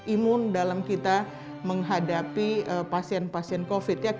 imun dalam kita menghadapi pasien pasien covid sembilan belas